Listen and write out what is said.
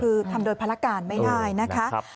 คือทำโดยพละการไม่ง่ายนะคะ